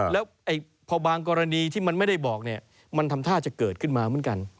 แล้วพอบางกรณีที่มันไม่ได้บอกเนี่ยมันทำท่าจะเกิดขึ้นมาเหมือนกัน